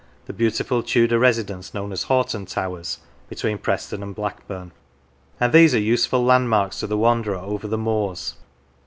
the beautiful Tudor residence known as Hoghton Towers between Preston and Blackburn; and these are useful landmarks to the wanderer over the moors.